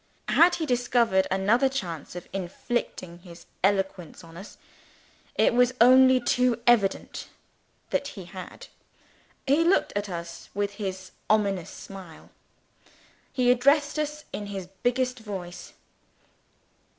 Had he discovered another chance of inflicting his eloquence on us? It was only too evident that he had! He looked at us with his ominous smile. He addressed us in his biggest voice.